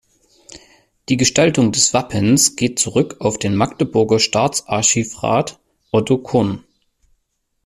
Die Gestaltung des Wappens geht zurück auf den Magdeburger Staatsarchivrat Otto Korn.